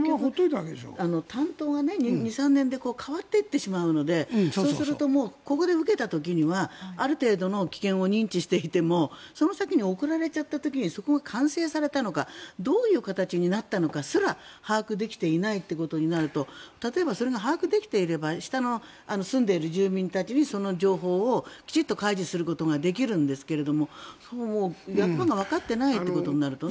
担当が２３年で代わっていってしまうのでここを受けた時にはある程度の危険を認知していてもその先に送られちゃった時にそこが完成されたのかどういう形になったのかすら把握できていないということになると例えば、それが把握できていれば下の住んでいる住民にその情報をきちんと開示することができるんですがわかっていないということになるとね。